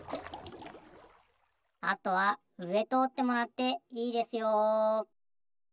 あとはうえとおってもらっていいですよ。